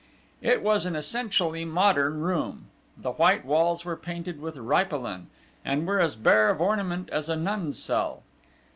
It was an essentially modern room; the white walls were painted with ripolin, and were as bare of ornament as a nun's cell.